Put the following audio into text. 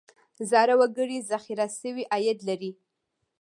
زاړه وګړي ذخیره شوی عاید لري.